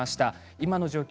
今の状況